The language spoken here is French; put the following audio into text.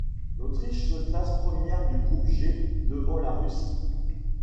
L'Autriche se classe première du groupe G devant la Russie.